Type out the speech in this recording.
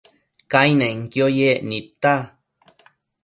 Cainenquio yec nidta